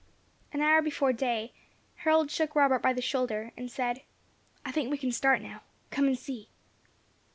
An hour before day, Harold shook Robert by the shoulder, and said, "I think we can start now. Come and see."